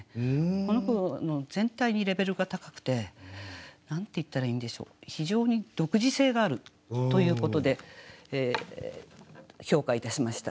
この句全体にレベルが高くて何て言ったらいいんでしょう非常に独自性があるということで評価いたしました。